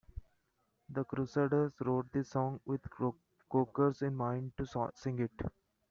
The Crusaders wrote this song with Cocker in mind to sing it.